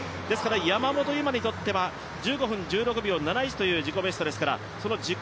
山本有真にとっては１５分１６秒７１という自己ベストですから、その自己